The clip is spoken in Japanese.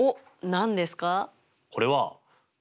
何ですか？